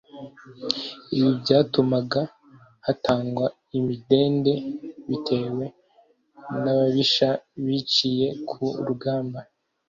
ibi byatumaga hatangwa imidende bitewe n'ababisha wiciye ku rugamba